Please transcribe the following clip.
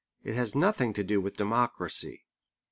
It has nothing to do with Democracy.